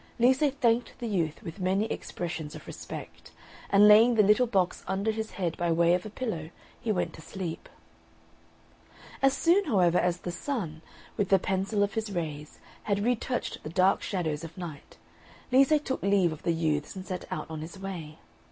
Lise thanked the youth, with many expressions of respect, and laying the little box under his head by way of a pillow, he went to sleep. As soon, however, as the Sun, with the pencil of his rays, had retouched the dark shadows of Night, Lise took leave of the youths and set out on his way.